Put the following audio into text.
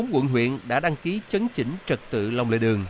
hai mươi bốn quận huyện đã đăng ký chấn chỉnh trật tự lòng lời đường